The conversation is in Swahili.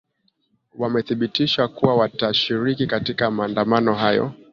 wamethibitisha kuwa watashiriki katika maandamano hayo